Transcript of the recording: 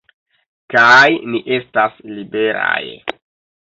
Kaj ni estas liberaj!